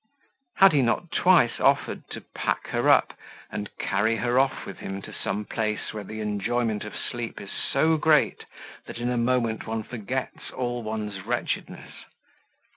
Had he not twice offered to pack her up and carry her off with him to some place where the enjoyment of sleep is so great, that in a moment one forgets all one's wretchedness?